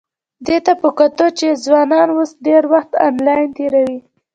دې ته په کتو چې ځوانان اوس ډېر وخت انلاین تېروي،